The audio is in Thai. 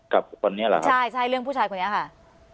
กับคนเนี่ยหรือครับใช่เรื่องผู้ชายคนเนี่ยค่ะ